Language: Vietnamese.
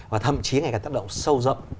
và thậm chí ngày càng tác động sâu rộng